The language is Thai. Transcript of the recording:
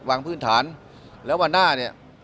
อย่างพื้นฐานแล้วว่าหน้าเนี่ย